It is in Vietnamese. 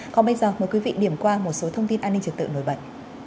còn bây giờ mời quý vị điểm qua một số thông tin an ninh trật tự nổi bật